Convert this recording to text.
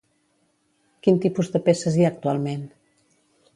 Quin tipus de peces hi ha actualment?